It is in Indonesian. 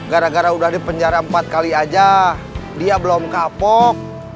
gara gara udah dipenjara empat kali aja dia belum kapok